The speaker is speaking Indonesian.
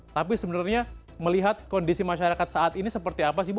tapi sebenarnya melihat kondisi masyarakat saat ini seperti apa sih bu